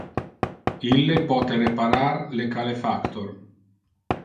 Ille pote reparar le calefactor.